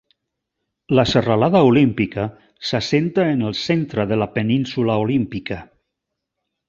La serralada Olímpica s'assenta en el centre de la península Olímpica.